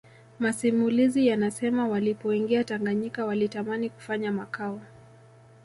Masimulizi yanasema walipoingia Tanganyika walitamani kufanya makao